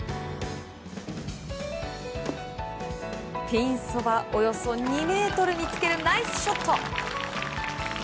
ピンそば、およそ２ｍにつけるナイスショット！